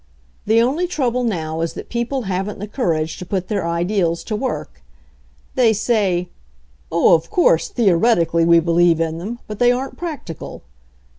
The only trouble now is that people haven't the courage to put their ideals to work. They say, 'Oh, of course, the oretically we believe in them — but they aren't practical